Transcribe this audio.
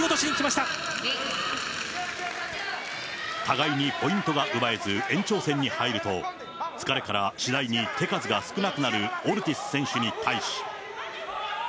互いにポイントが奪えず、延長戦に入ると、疲れから、次第に手数が少なくなるオルティス選手に対し。